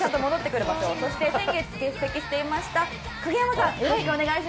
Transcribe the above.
そして先月欠席していました影山さん